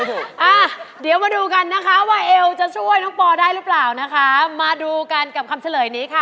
อุ้ยเดี๋ยวมาดูกันนะคะว่าเอลจะช่วยที่ป่าได้รึเปล่านะคะมาดูกันคำเจริญเนี้ยค่ะ